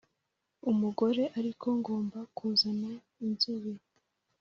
Umugore ariko ngomba kuzana inzobe